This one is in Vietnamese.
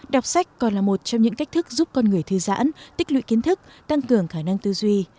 đọc sách còn là một trong những cách thức giúp con người thư giãn tích lụy kiến thức tăng cường khả năng tư duy